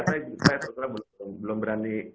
saya belum berani